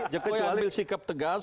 jokowi ambil sikap tegas